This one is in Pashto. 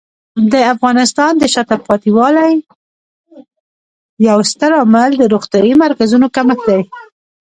د افغانستان د شاته پاتې والي یو ستر عامل د روغتیايي مرکزونو کمښت دی.